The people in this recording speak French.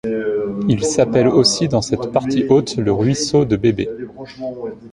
Il s'appelle aussi dans cette partie haute le Ruisseau de Bébé.